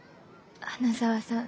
花澤さん。